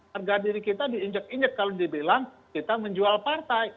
harga diri kita diinjek injek kalau dibilang kita menjual partai